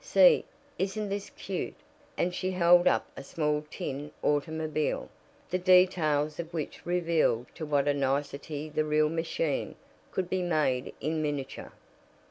See, isn't this cute?" and she held up a small tin automobile, the details of which revealed to what a nicety the real machine could be made in miniature.